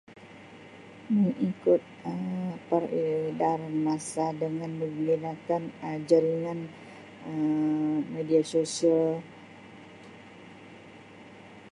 Ni ikut Um peredaran masa dengan menggunakan Um jaringan Um media sosial